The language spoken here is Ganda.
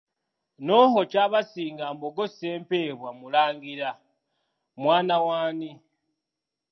Noho Kyabasinga Mbogo Ssempebwa mulangira, mwana w'ani?